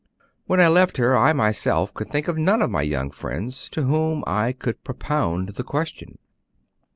When I left her, I myself could think of none of my young friends to whom I could propound the question.